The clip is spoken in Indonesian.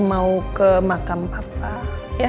mau ke makam papa